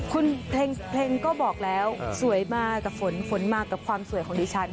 คุณเพลงก็บอกแล้วสวยมากับฝนฝนมากับความสวยของดิฉัน